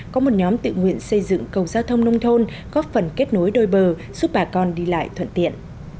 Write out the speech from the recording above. có một nhóm tự nguyện xây dựng cầu giao thông nông thôn góp phần kết nối đôi bờ giúp bà con đi lại thuận tiện